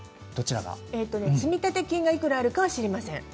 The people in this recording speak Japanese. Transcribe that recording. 積立金がいくらあるか知りません。